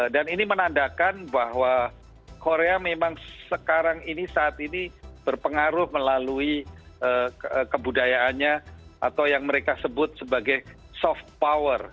ini menandakan bahwa korea memang sekarang ini saat ini berpengaruh melalui kebudayaannya atau yang mereka sebut sebagai soft power